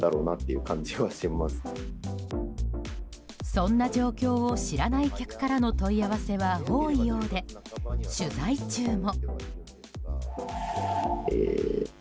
そんな状況を知らない客からの問い合わせは多いようで取材中も。